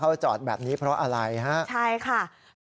เขาจะจอดแบบนี้เพราะอะไรครับ